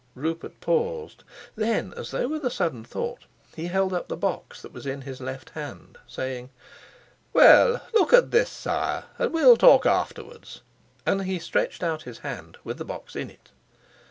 Rupert paused; then, as though with a sudden thought, he held up the box that was in his left hand, saying: '"Well, look at this sire, and we'll talk afterwards," and he stretched out his hand with the box in it.